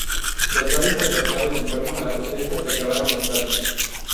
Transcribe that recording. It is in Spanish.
Tras varios altercados en torno a la protesta, se acabaron las pláticas.